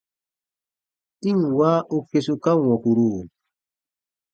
I ǹ wa u kesuka wɔ̃kuru!